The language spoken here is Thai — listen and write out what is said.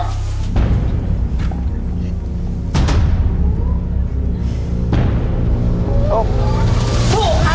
สีชมพูค่ะ